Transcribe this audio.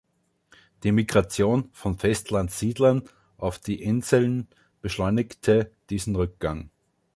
Die Migration von Festland-Siedlern auf die Inseln beschleunigte diesen Rückgang.